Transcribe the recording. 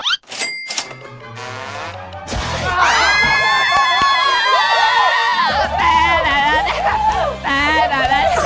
ห้าห้า